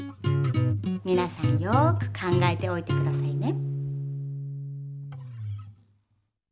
みなさんよく考えておいてくださいね。